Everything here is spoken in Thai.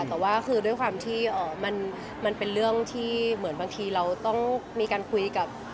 แต่ว่าคือด้วยความที่มันเป็นเรื่องที่เหมือนบางทีเราต้องมีการคุยกับ